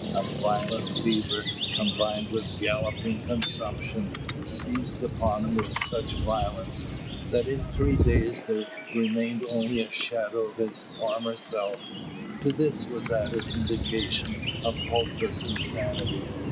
A violent fever, combined with galloping consumption, seized upon him with such violence, that in three days there remained only a shadow of his former self. To this was added indications of hopeless insanity.